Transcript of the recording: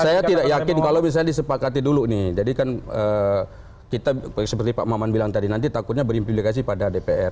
saya tidak yakin kalau misalnya disepakati dulu nih jadi kan kita seperti pak maman bilang tadi nanti takutnya berimplikasi pada dpr